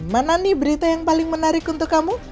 mana nih berita yang paling menarik untuk kamu